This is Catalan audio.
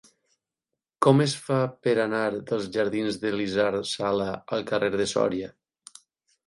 Com es fa per anar dels jardins d'Elisard Sala al carrer de Sòria?